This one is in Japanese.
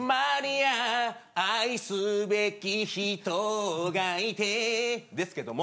’愛すべき人がいてですけども。